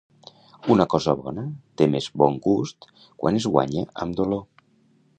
Una cosa bona té més bon gust quan es guanya amb dolor.